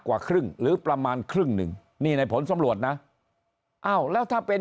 กว่าครึ่งหรือประมาณครึ่งหนึ่งนี่ในผลสำรวจนะอ้าวแล้วถ้าเป็น